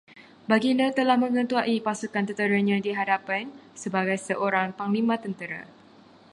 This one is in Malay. Baginda telah mengetuai pasukan tenteranya di hadapan, sebagai seorang panglima tentera